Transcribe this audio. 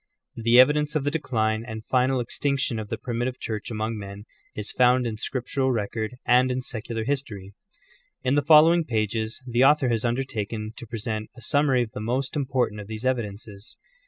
The evidence of the decline and final extinction of the primitive Church among men is found in scriptural record, and in secular history. In the following pages the author has undertaken to present a summary of the most important of these evidences.